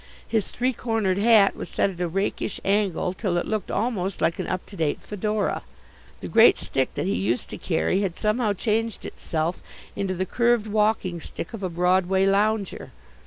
His three cornered hat was set at a rakish angle till it looked almost like an up to date fedora. The great stick that he used to carry had somehow changed itself into the curved walking stick of a Broadway lounger.